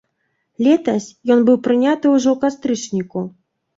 Летась ён быў прыняты ўжо ў кастрычніку.